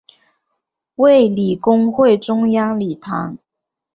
卫理公会中央礼堂。